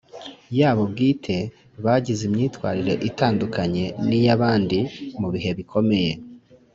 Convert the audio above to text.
yabo bwite Bagize imyitwarire itandukanye n iy abandi mu bihe bikomeye